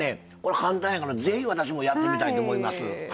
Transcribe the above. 簡単やからぜひ私もやってみたいと思います。